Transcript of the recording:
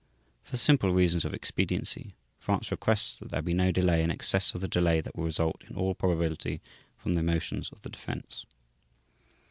For simple reasons of expediency, France requests that there be no delay in excess of the delay that will result in all probability from the motions of the Defense.